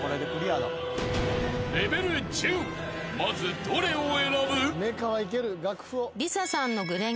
［まずどれを選ぶ？］